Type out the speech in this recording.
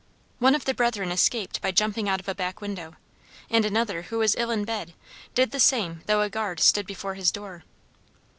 One of the Brethren escaped by jumping out of a back window, and another who was ill in bed did the same though a guard stood before his door.